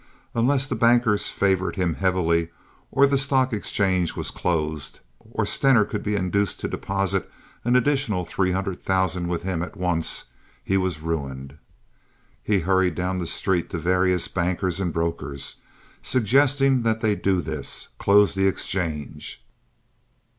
Unless the bankers favored him heavily, or the stock exchange was closed, or Stener could be induced to deposit an additional three hundred thousand with him at once, he was ruined. He hurried down the street to various bankers and brokers suggesting that they do this—close the exchange.